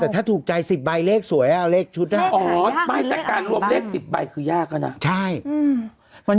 แต่การรวมเลข๑๐ใบคือยากแล้วนั้น